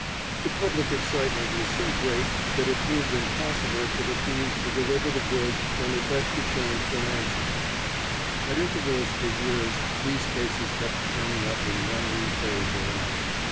The public excitement was so great that it proved impossible for the thieves to deliver the goods and effect the change for ransom. At intervals for years these cases kept turning up in one new phase or another.